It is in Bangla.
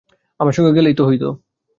আমার সঙ্গে গেলেই তো হইত।